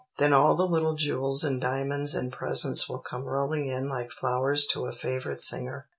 Then all the little jewels and diamonds and presents will come rolling in like flowers to a favorite singer.